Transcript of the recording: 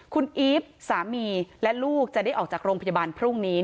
คุณอีฟสามีและลูกจะได้ออกจากโรงพยาบาลพรุ่งนี้